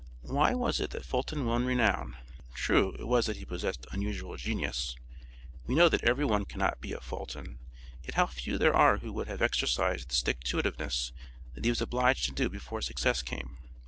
Why was it that Fulton won renown. True it was that he possessed unusual genius. We know that every one cannot be a Fulton, yet how few there are who would have exercised the stick to it ive ness that he was obliged to do before success came.